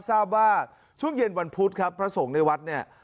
ทราบว่าช่วงเย็นวันพุธครับพระสงฆ์ในวัดเนี่ย